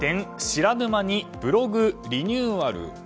知らぬ間にブログリニューアル。